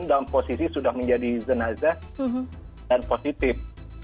jadi saya dalam posisi sudah menjadi zanazah dan positif